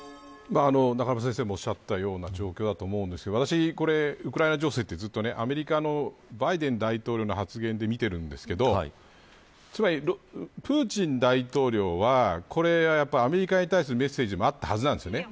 中村先生もおっしゃったような状況だと思いますがウクライナ情勢ってアメリカのバイデン大統領の発言で見ているんですがプーチン大統領はアメリカに対するメッセージもあったはずです。